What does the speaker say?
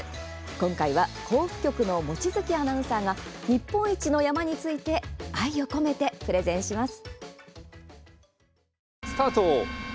今回は甲府局の望月アナウンサーが日本一の山について愛を込めてプレゼンします。